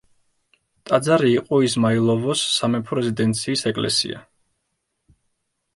ტაძარი იყო იზმაილოვოს სამეფო რეზიდენციის ეკლესია.